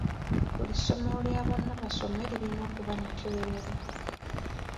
Buli ssomero lya bonnabasome lirina okuba n'ekkeberero.